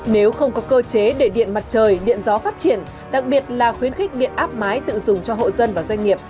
nếu không có cơ chế để điện mặt trời điện gió phát triển đặc biệt là khuyến khích điện áp mái tự dùng cho hộ dân và doanh nghiệp